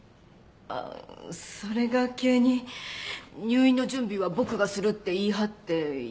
あっそれが急に入院の準備は僕がするって言い張って家に戻っちゃって。